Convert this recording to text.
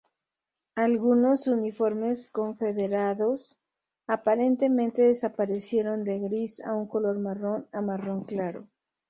Algunos uniformes confederados aparentemente desaparecieron de gris a un color marrón a marrón claro.